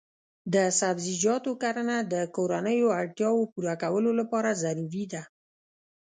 د سبزیجاتو کرنه د کورنیو اړتیاوو پوره کولو لپاره ضروري ده.